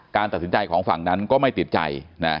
การตัดสินใจของฝั่งนั้นก็ไม่ติดใจ